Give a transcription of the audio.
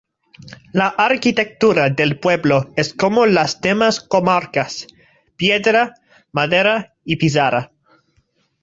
La arquitectura del pueblo es como las demás comarcas: piedra, madera y pizarra.